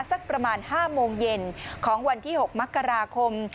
สักประมาณ๕โมงเย็นของวันที่๖มกราคม